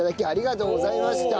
ありがとうございます。